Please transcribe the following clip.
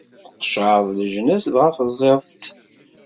Tqeccɛeḍ leǧnas, dɣa teẓẓiḍ-tt.